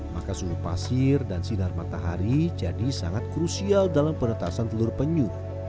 maka suhu pasir dan sinar matahari jadi sangat krusial dalam penetasan telur penyu